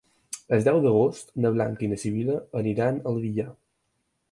El deu d'agost na Blanca i na Sibil·la aniran al Villar.